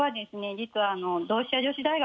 実は同志社女子大学。